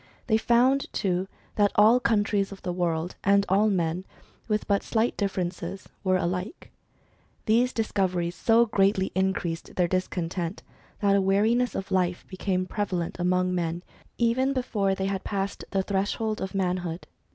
They found too, that all countries of the world, and all men, with but slight differences, were alike. These discoveries so greatly increased their discontent, that a weariness of life became prevalent among men even before they had passed the threshold of manhood.